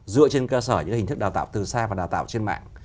dựa trên cơ sở những hình thức đào tạo từ xa và đào tạo trên mạng